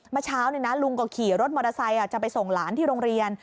เมื่อเช้าลุงก็ขี่รถมอเตอร์ไซค์จะไปส่งหลานที่โรงเรียน